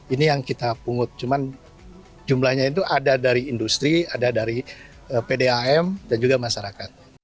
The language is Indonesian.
ini yang kita pungut cuman jumlahnya itu ada dari industri ada dari pdam dan juga masyarakat